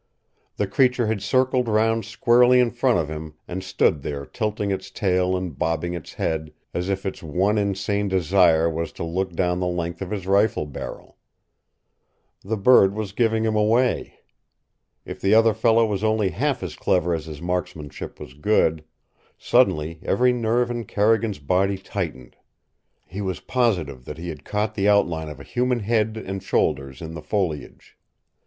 The creature had circled round squarely in front of him and stood there tilting its tail and bobbing its head as if its one insane desire was to look down the length of his rifle barrel. The bird was giving him away. If the other fellow was only half as clever as his marksmanship was good Suddenly every nerve in Carrigan's body tightened. He was positive that he had caught the outline of a human head and shoulders in the foliage.